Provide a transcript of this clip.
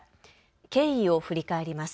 経緯を振り返ります。